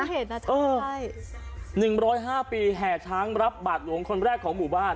จะได้หนึ่งร้อยห้าปีแห่ช้างรับบาทหลวงคนแรกของบุรุษบ้าน